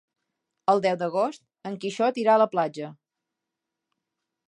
El deu d'agost en Quixot irà a la platja.